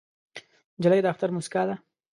نجلۍ د اختر موسکا ده.